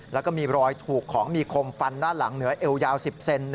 แล้วก็มีรอยถูกของมีคมฟันด้านหลังเหนือเอวยาว๑๐เซน